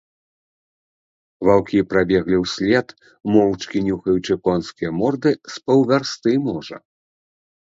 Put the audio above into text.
Ваўкі прабеглі ўслед, моўчкі нюхаючы конскія морды, з паўвярсты, можа.